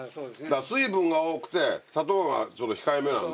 水分が多くて砂糖がちょっと控えめなんで。